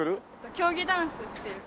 競技ダンスっていう。